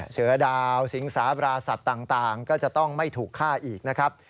เสือดาวสิงสาบราสัตว์ต่างก็จะต้องไม่ถูกฆ่าอีกนะครับ